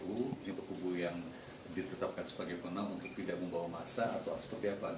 untuk hubungan yang ditetapkan sebagai penang untuk tidak membawa masa